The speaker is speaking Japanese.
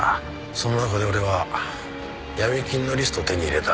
その中で俺は闇金のリストを手に入れた。